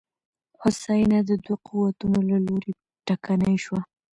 هوساینه د دوو قوتونو له لوري ټکنۍ شوه.